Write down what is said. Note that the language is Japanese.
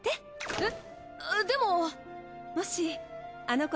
えっ？